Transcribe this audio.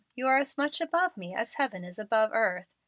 You are as much above me as heaven is above the earth.